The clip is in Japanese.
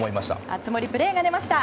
熱盛プレーが出ました。